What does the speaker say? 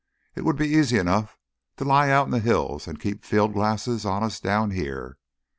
It would be easy enough to lie out in the hills and keep field glasses on us down here.